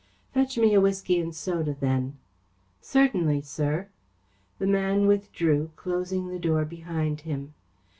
"Fetch me a whisky and soda, then." "Certainly, sir." The man withdrew, closing the door behind him.